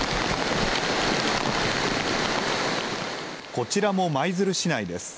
こちらも舞鶴市内です。